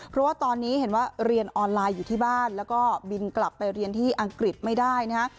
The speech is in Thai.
เพราะว่าตอนนี้เห็นว่าเรียนออนไลน์อยู่ที่บ้านแล้วก็บินกลับไปเรียนที่อังกฤษไม่ได้นะฮะ